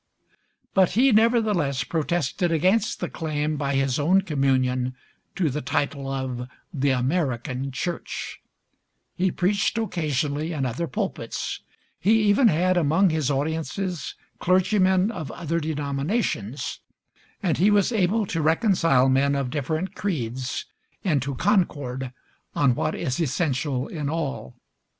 But he nevertheless protested against the claim by his own communion to the title of "The American Church," he preached occasionally in other pulpits, he even had among his audiences clergymen of other denominations, and he was able to reconcile men of different creeds into concord on what is essential in all.